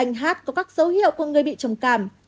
anh hát có các dấu hiệu của người bị trầm cảm